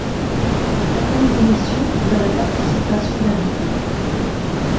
Certaines émissions voient la participation d'invités.